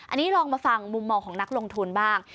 อันนี้ลองมาฟังมุมมองของนักลงทุนบ้าง